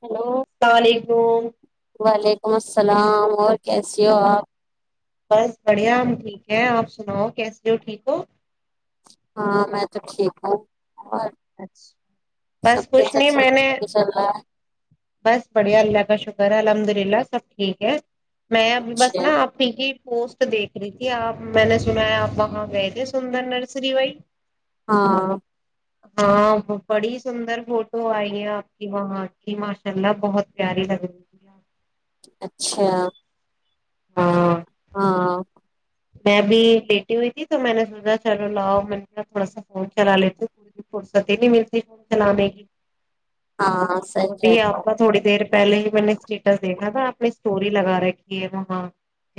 Hello [unintelligible] تو [unintelligible] وعلیکم السلام اور کیسی ہو آپ بس بڑھیا آم ٹھیک ہے آپ سناؤ کیسے ہو ٹھیک ہو ہاں میں تو ٹھیک ہوں اور سب بس کے کچھ سب نہیں میں ٹھیک نے بھی چل رہا بس بڑھیا اللہ کا شکر الحمد للہ سب ٹھیک ہے میں اب بس ہے؟ اچھا نا آ کی پوس تو دیکھ رہی تھی آپ میں نے سنا ہے آپ وہاں گئے تھے سندر نرسری بھائی ہاں [unintelligible] ہاں بڑی سندر فوٹو آئی ہے آپ کی وہاں کی ماشاء اللہ بہت پیاری لگ رہیپ اچھا [unintelligible] ہاں ہاں میں بھی لیٹی ہوئی تھی تو میں نے سوچا چلو لاؤ م تھوڑا سا فون چلا لیتی فرصتی نہیں ملتی فون چلانے کی ہاں وہ صحیح ہے بھی آپا تھوڑی دیر پہلے ہی میں نے اسٹیٹس دیکھا تھا اپنی اسٹوری لگا رہے کہ یہ وہ ہاں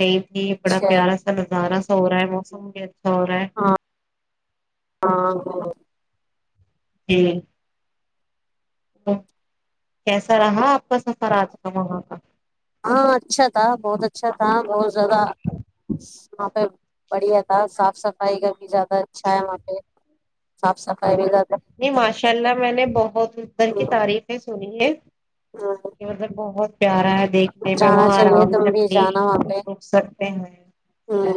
یہ بھی بڑا اچھا پیارا [unintelligible] ہزارا سا ہو رہا ہے موسم بھی اچھا ہو رہا ہے آ [inaudible] جی [inaudible] کیسا رہا آپ کا سفر آج کا وہاں کا ہاں اچھا تھا بہت اچھا تھا بہت زیادہ وہاں پہ بڑھیا تھا صاف صفائی کر بھی زیادہ بھا م [unintelligible] ہاں نہیں ماشاء اللہ میں نے بہت ادھر کی تعریفیں سنی ہے ہوں۔ کہ مطلب بہت پیارا ہے دیکھنے میں جانا وہاں چاہیے آرام سے تم بھی اپنی جانا وہاں پہ رک سکتے ہوں، ہیں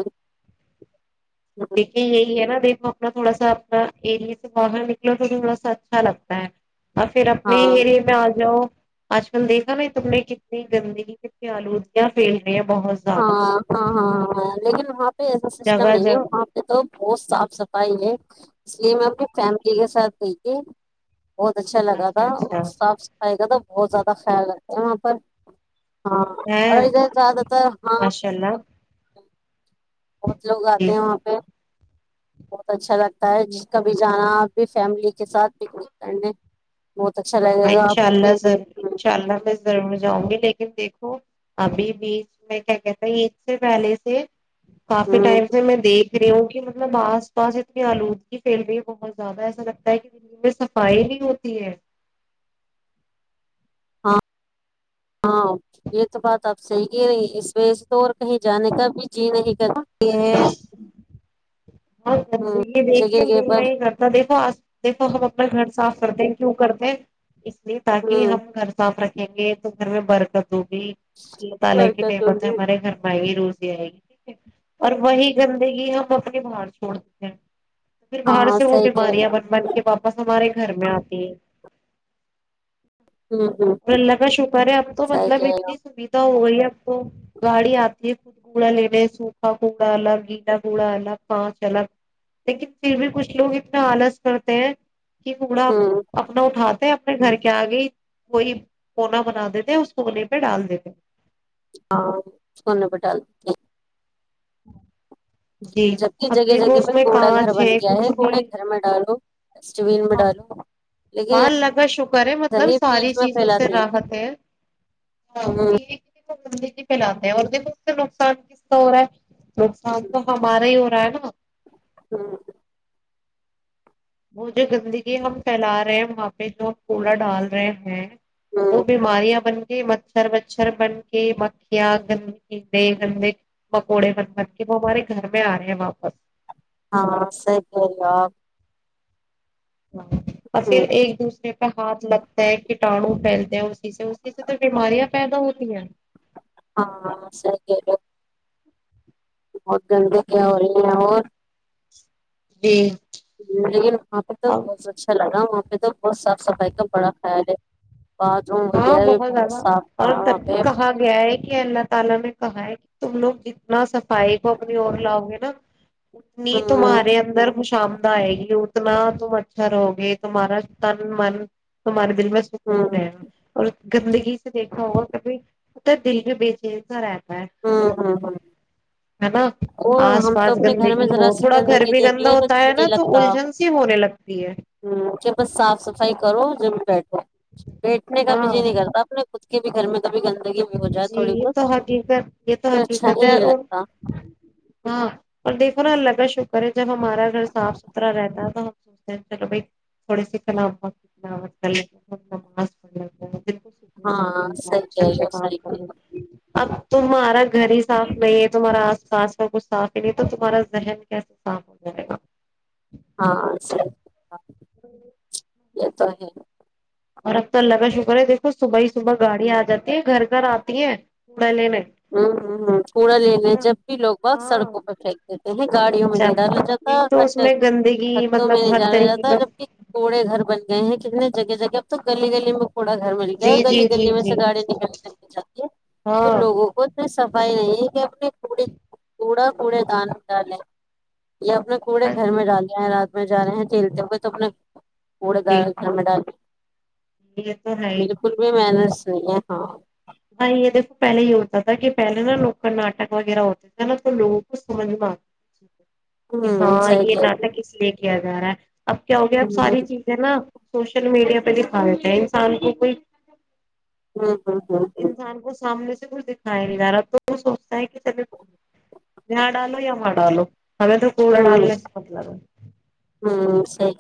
ہوں، دیکیکے یہی ہے نا د اپنا تھوڑا سا اپنا اریے سے باہر نکلے تو تھوڑا سا اچھا لگتا ہے پھر اپنے ہاں اریے میں آ جاؤ آج کل دیکھا میں تم نے کتنی گندی کتنی آلودگیاں پ ہاں ہاں ہاں ہاں ہ لیکن وہاں ایسا سسٹم جگہ نہیں ہے جگہ وہاں پہ تو بہت صاف صفائی ہے اس لیے میں اپنی فیملی کے ساتھ گئی تھی بہت اچھا لگا تھا اور صاف سفائی کا تو بہت زیادہ خیال رکھا وہاں پر [inaudible] ہاں ہے اورر ج زات تھا [inaudible] ماشاء اللہ بہت لوگ جی آتے ہیں وہاں پہ بہت اچھا لگتا ہوتا جی ہے کبھی جانا فیملی کے ساتھ پکنک کرنے بہت اچھا لگے ہاں گا انشاء آپ کو اللہ بھی ضرور ان شاء اللہ پ ضرور جاؤں گی لیکن دیکھو ابھی بیچ میں کیا کہتاید سے پہلے سے کافی ہ ٹائم سے میں دیکھ کریوں کی مطلب آس پاس اتنی آلودگی پھیل رہ ہے بہت زیادہ ایسا لگتا ہے کہ میں صفائی نہیں ہوتی ہے ہاں ہاں یہ تو بات آپ صحی ہی رہی اس و تو اور کہیں جانے کا بھی جی نہیں تے ہیں اور زندگی دیکھ کے جگہ د پر میں ہی کرتا دیکھو آج دیکھو ہم اپنا گھر صاف کرتے ہیں کیوں کرتے ہیں اس لیے تاکہ ہوں ہم گھر صاف رکھیں دیں گے تو گھر میں برکت کیا مطالعہ کی برکت نعمتیں ہوگی ہمارے گھر ائے روز ہاں آ گی ٹھیک ہے اور وہی گندگی ہم اپنے بر چھوڑتے ہیں پھر باہر ہاں سے وہ صحیح کہے بیماریاں گا بن بن کے واپس ہمارے گھر میں آتی ہے ہوں ہوں اللہ کا شکر ہے اب تو صحیح مطلب کہے گا اتنی سویدھا ہو گئی ہے ب کو گاڑی آتی ہے خود کوڑا لے رہے سوفا کوڑا الگ گیلاا کوڑا الگ پانچ چل لیکن پھر بھی کچھ لوگ اتنا آلس کرتے ہیں کہ کوڑا ہوں اپنا اٹھاتے ہیں اپنے گھر کے آگئی کوئی کونا بنا دیتے اس کونے پہ ڈال دیتے کند پال ہ [unintelligible] جبک جگہ جگہ پر کوڑا گھر کانچ بن گیا ہے کوڑے گھر میں ڈالو ڈسٹ بین میں ہ ڈالو لیکن ہاں اللہ کا شکر ہے ایسا مطلب نہیں بیچ ساری میں چیزوں سے پھیلاتے ہیں راحت ہے ہوں زندگی پھیلاتے ہیں اور دیکھو اس سے نقصان کس کا ہو رہا ہے نقصان تو ہمارا ہی ہو رہا ہے نا ہاں [unintelligible] وہ جو گندگی ہم پھیلا رہے ہیں وہاں پہ جو ہم کوڑا ڈال رہے ہیں وہ ہوں بیماریاں بن مچھر وچھر بن کے مکھیاں گندے گے گندے مکوڑے بن کے وہ ہمارے گھر میں آ رہے ہیں واپس ہاں سی کہو اور پھر ایک دوسرے ہاتھ لگتا ہے کٹاڑو پھیلتے ہیں اسی سے اسی سے تو بیماریاں پیدا ہوتی ہیں ہاں سی [inaudible] بہت گندی کیا ہو رہی ہیں اور جی لیکن وہاں پہ تو اب بہت اچھا لگا وہ [unintelligible] تو بہت صاف صفائی کا بڑا خیال ہے باتھ روم وغیرہ بھی بہت صاف تھا وہاں پہ [unintelligible] تم لوگ جتنا سب فائی کو اپنی اور لاؤ گے نا اتنی ہوں تمہارے اندر خوش آمدہ آئے گی اتنا تم اھرو گے تمہارا تن من تمہاراری دل میں سکون ہوں رہا [unintelligible] اور گندگی سے دیکھا ہوگا کھی ات دل میں بیےچیر سا رہ ہے ہوں ہوں ہ نا اور آس ہم تو پاس اپنے گھر میں گندگی ذرا ہو سی تھوڑا گھر گندگی بھی دیکھ گندا لے تو ہوتا جی ہے نہیں نا تو لگتا الجھن سی ہونے لگتی ہے ہ کہ بس صاف صفائی کرو جم بیٹھو بیٹھنے کا ہاں بھیجی نہیں کرتا اپپ نے کھ کے بھی گھر میں بھی گندگی میں ہو جائے جی تھوڑی یہ بہت تو یہ تو اچھا توٹ ہی نہیں اور لگتا ہاں اور دیک تھنا الگ ہے شوکر ہے جب ہمارا گھر صاف ستھر رہتا ہے تو ہم سوچلو بھ تھوڑے سے کنا کتنا آتناس پڑ ہے ہاں صحیح کہہ بنتاچ رہے ہو [unintelligible] صاف صحیح کرنا کہہ اب تمہارا گھر ہی صاف نہیں ہے تمہارا آس پاس کا کچھ صاف ہی نہیں تو تمہارا ذہن کیسے صاف ہو جائے گا ہاں سی جی یہ تو ہے اور اب تو اللہ کا شکر ہے دیکھو صبح ہی صبح گاڑی آ جاتی ہے گھر گھر آتی ہے ہوں ہوں ہ کوڑا لے ل جب بھی لوگ ب ہاں سڑکوں پہ پھینک دیتے ہیں گاڑیوں میں نہیں جب ڈالا جاتا یہی تو اس کڈ میں گندگی ہھوں میں مطلب نہیں ہر ڈالا طریقے جاتا کا جب کہ کوڑے گھر بن گئے ہیں کہ ج جگہ جگہ اب تو گلی گلی میں تھوڑا گھر مل گیا اور جی گلی جی گلی جی میں سے جی گاڑی نکل نکل کے جاتی ہے تو ہاں لوگ اس صفائی نہیں کہ اپنے کوڑا کوڑے دان ڈالیں اپنے کوپڑے گھر میں ڈالے ہیں رات میں جا رہے ہیں جھیلتے ہوئے تو اپنے اڑد جی چمڈ [unintelligible] یہ تو ہے ہی بالکل بھی محنت س ہاں ب یہ دیکھو پہلے یہ ہوتا تھا کہ پہلے نا لوکل ناٹک وغیرہ ہوتے تھے نا تو لوگوں کو سمجھ میں آ ہمم ہاں صحیح یہ کہہ نہ رہی تھاک اس لیے کہ دارا اب کیا ہو گیا اب ساری چیزیں نا سوشل میڈیا پہ دکھا دیتا ہیں انسان کو کوئی ہاں انسان کو سامنے سے کچھ دکھایا نہیں جا رہا تو وہ سوچتا ہے کہ چلو یہاں ڈالو یا وہاں ڈالو ہ تو کوڑا ڈالل مپ لگ ہوں سیٹ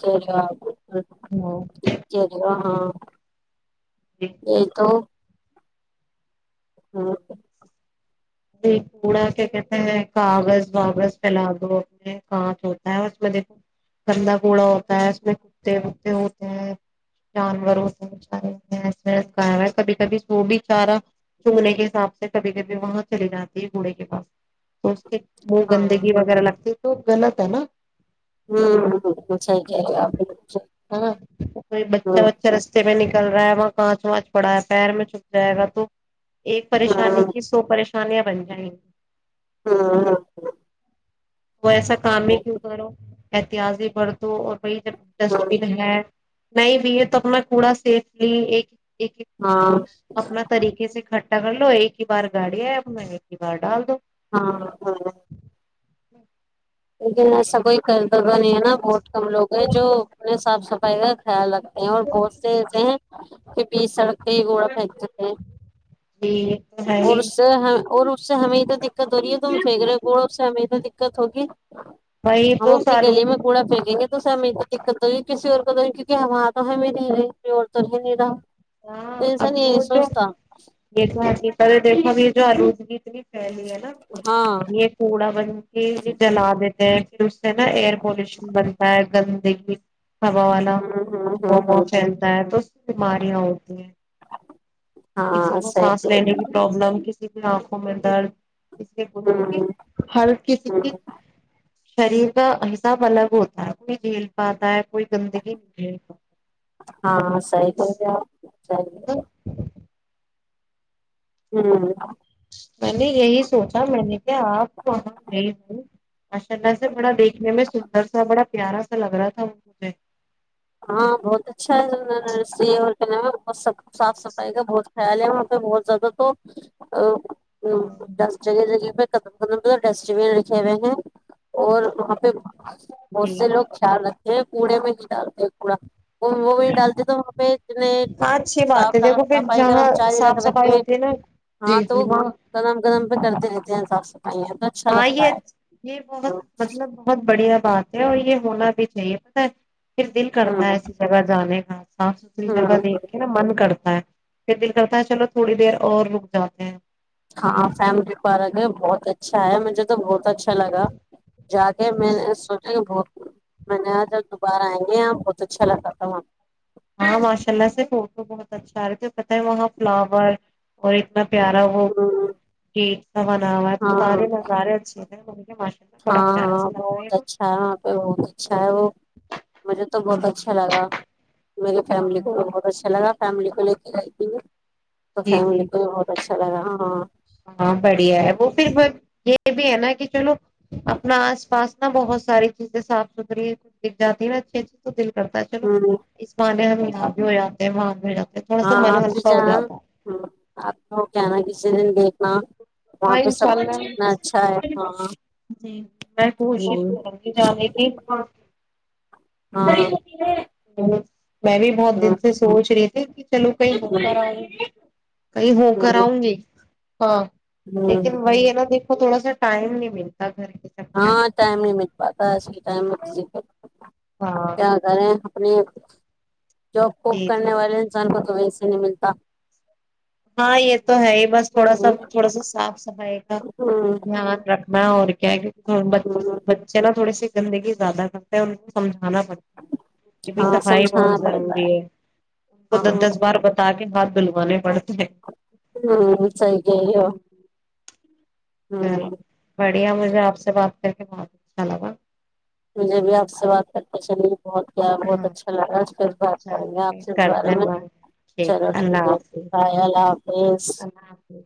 ہاں جو آگ ہاں ہاں جی یہ تو [unintelligible] ہاں [unintelligible] کوڑا کیا کہتے ہیں کاغذ واغذ پھیلا دو اپنے کانچ ہوتا ہے اس میں دیکھو گندا کوڑا ہوتا ہے اس میں کتے وتے ہوتے ہیں جانور ہوتے ہیں چ کبھی کبھی وہ بھی چارہ چگنے کے حساب سے کبھی کبھی وہاں چلی جاتی ہے بوڑے کے پاس وہ گندگی وغیرہ لگتی تو غلط ہے نا ہ س کہ ہاں ہ چل رہا ہے وہاں کانچ وانچ پڑا ہے پیر میں چھپ جائے گا تو ایک پریشانی کی سو پریشانی سانیا بن جائیں ہاں ہاں وہ ایسا کام ہی کی کروں ایاز ہی پڑھ اور وہی جب ڈسٹ بین ہے نہیں بھی یہ تو اپنا کوڑا سیفلی ایک ایک ایک ہاں اپنا طریقے سے کھٹ ک کر لو ایک ہی بار گاڑی ہے اب میں ایک ہی بار ڈال دو ہاں جی [unintelligible] ا سب [unintelligible] کر دگا نہیں ہے نا بہت کم لوگ ہے جو اپنے صاف صف پ [unintelligible] خیال رکھتے ہیں اور بہت سے ایسے ہیں کہ بی سڑک کئی گھڑا پھینک جتے ہیں جی یہ تو ہے اور ہی اس سے اور اس سے ہمیں تو دقت ہو رہی ہے تو ہم پھینک رہے گھوڑا اس سے ہمیں تو دقت ہوگی [inaudible] وہی ہم دو اپنی سالوں گلی میں کوڑا پھینکیں گے تو سب میر کو دقت ہو کسی اور کو تو کیکہ وہاں تو ہم نہیں رہے اور تو نہیں رہا ہاں تو اب انسان یہ نہیں ہو جو سوچتا دیکھو [unintelligible] دیکو گ جالوس گیت بھی پلی ہے نا ہاں یہ کوڑا بن کے جلا دیتے پھر اس سے نا ایئر پولوشن بنتا ہے گندگی [unintelligible] ہوا والاا ہوں ہوں ہوں ہوا ہوں پھیلتا ہے تو بیماریاں ہو ج [unintelligible] کسی ہاں کو صحیح سانس کہہ لینے کی پرابلم کسی ج آنکھوں میں درد اس لیے رہی بوولک کہ ہوں بارت کی س ہ شریر کا حساب الگ ہوتا ہے وہئی جھیل پاتا ہے کوئی گندگی نہیں رہ ہاں صحیح کہہ رہے آپ ہیلو صحیح [unintelligible] ہوں [unintelligible] میں نے یہی سوچا میں نے کہ آپ وہاں گئے ہو ماشاء اللہ سے بڑا دیکھنے میں سندر سا بڑا پیارا سا لگ رہا تھا مجھے ہاں بہت اچھا ہے نرسری اور کیا نام ب سب صاف صفائی کا بہت خیال ہے وہاں پہ بہت زیادہ تو ہ دس جگہ جگہ پھر ختم ختم مطلب ڈسٹ بین رکھے ہوئے ہیں اور وہاں پہ ب جی سے لوگ خیال رکھتے ہیں یہ کوڑے میں ہی ڈالتے کڑا [unintelligible] وہ وہ وہ ڈالتے تو وہاں پہ اتنے ہاں اچھی بات ہے صاف دیکھو پھر صفائی جہاں گرم چاری رکھ صاف صفائی رکھے ہوتی ہے نا ہاں جی تو جی وہ وہاں گرم گرم پہ کرتے رہتے ہیں سات س [unintelligible] ہاں یہ یہ بہت ہے مطلب بہت بڑھیا بات ہے اور یہ ہونا بھی چاہیے پتا ہے پھر دل ہ کرتا ہے ایسی جگہ جانے کا صاف ستھری جگہ ہوں دیکھ کے نا من کرتا ہے پھر دل کرتا ہے چلو تھوڑی دیر اور لوگ جاتے ہیں ہاں فیملی پارک ہے بہت اچھا ہے مب تو بہت اچھا لگا جا کے میں نے سوچا کہ بہ میں نےاں جب دوبارہ آئیں گے یہ بہت اچھا لگا تھا وہاں ہاں ماشاء اللہ سے فوٹو بہت اچھا رہے پت ہے وہاں فلاور اور انا پیارا وہ ہ گت کا بنا ہوا ہے تو ہاں سارے نظارے اچھے [inaudible] بڑا ہاں پیارا ہاں سا لگ رہا بہت وہ اچھا ہے وہاں پہ بہت اچھا ہے وہ مجھے تو بہت ہوں اچھا لگا میری فیملی کو ہاں تو بہت اچھا لا فیملی کو لے کے آتی تو جی فملی جی کو بہتچ [inaudible] ہاں بڑھیا ہے وہ پھر یہ بھی ہے نا کہ چلو اپنا آس پاس نا بہت ساری چیزیں صاف ستری دکھ جاتی ہے نا اچھے اچھے تو د کرتا چلو ہ اس مع ہمیں [inaudible] ہاں آپ بھی جانا آپ کو کیا ن کسی دن دیکھ ہاں ہاں انشاء اللہ ہاں ج میں کوشش ہوں کروں گی جانے کی خری ہاں ہوتیے [inaudible] میں بھی بہت ہ دن سے سوچ رہی تھی ہ [inaudible] [inaudible] کئی ہو کر ہوں آؤں گی ہاں ہوں لیکن وہی ہے نا کی تھوڑا سا ٹائم نہیں ملتا گھر چکر میں [inaudible] اب ہاں کیا کریں اپنے جاب کوب جی جی کرنے والے انسان کو ویسے نہیں ملتا ہاں یہ تو ہے ہی بس تھوڑا سا ہوں تھوڑا سا صاف صفائی کا ہوں دھیان رکھنا اور [inaudible] بے ہوں بچے ن تھوڑے سے زندگی زیادہ کرتے ہیں ان کو سمجھ پتا بائی ہاں صفائی سمجھانا بہت پڑتا ضروری ہے ان کو ہاں دس دس بار بتا کے ہاتھ بلو نے [unintelligible] پڑھ ہوں [unintelligible] سی گئی ہو ہوں چلو بڑھیا مجھے آپ سے بات چوا [unintelligible] مجھے بھی آپ سے بات کر اچسا [unintelligible] بہت کیا بہت ہاں اچھا لگا پھر بات کریں چلو گے آپ پھر سے اس کرتے بارے ہیں میں بات چلو ٹھیک اللہ ہے حافظ بائے اللہ حافظ اللہ حافظ